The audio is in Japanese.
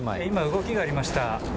今、動きがありました。